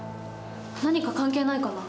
何か関係ないかな。